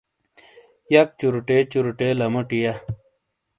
یک چوروٹے چوروٹے لموٹی یا